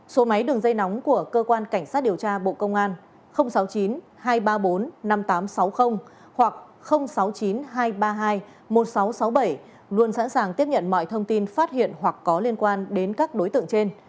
số máy đường dây nóng của cơ quan cảnh sát điều tra bộ công an sáu mươi chín hai trăm ba mươi bốn năm nghìn tám trăm sáu mươi hoặc sáu mươi chín hai trăm ba mươi hai một nghìn sáu trăm sáu mươi bảy luôn sẵn sàng tiếp nhận mọi thông tin phát hiện hoặc có liên quan đến các đối tượng trên